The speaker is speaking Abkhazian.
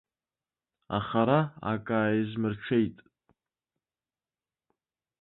Аха ара акааизмырҽеит.